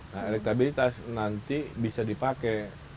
nah elektabilitas nanti bisa dipakai